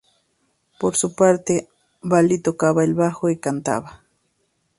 Por su parte, Valli tocaba el bajo y cantaba.